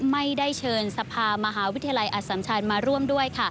ไม่ได้เชิญสภามหาวิทยาลัยอสัมชันมาร่วมด้วยค่ะ